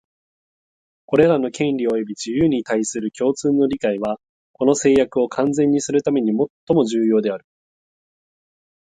これらの権利及び自由に対する共通の理解は、この誓約を完全にするためにもっとも重要である